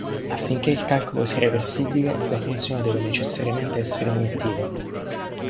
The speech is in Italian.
Affinché il calcolo sia reversibile, la funzione deve necessariamente essere iniettiva.